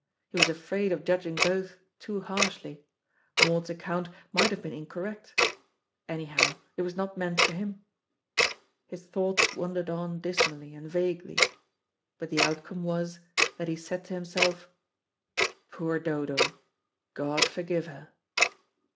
He was afraid of judging both too harshly. Maud's account might have been incorrect; anyhow it was not meant for him. His thoughts wandered on dismally and vaguely. But the outcome was, that he said to himself, "Poor Dodo, God forgive her."